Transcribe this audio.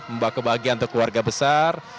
membawa kebahagiaan untuk keluarga besar